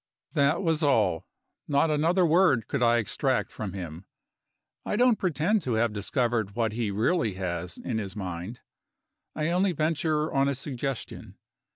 That was all; not another word could I extract from him. I don't pretend to have discovered what he really has in his mind. I only venture on a suggestion.